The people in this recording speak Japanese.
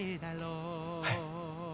はい。